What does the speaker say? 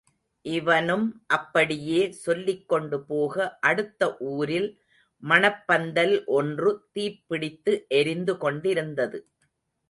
இவனும் இப்படியே சொல்லிக்கொண்டு போக, அடுத்த ஊரில் மணப்பந்தல் ஒன்று தீப்பிடித்து எரிந்து கொண்டிருந்தது.